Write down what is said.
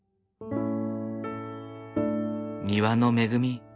庭の恵み。